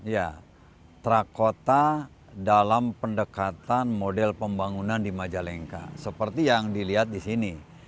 ya trakota dalam pendekatan model pembangunan di majalengka seperti yang dilihat di sini